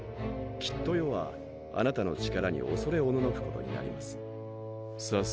きっと世はあなたの力に恐れ戦くことになります。